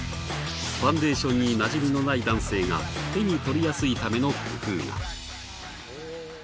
ファンデーションになじみのない男性が手に取りやすいための工夫が。